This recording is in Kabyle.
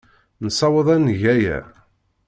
Nessaweḍ ad neg aya.